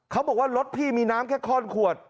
เขาบอกว่ารถพี่มีน้ำแค่ข้อนขวด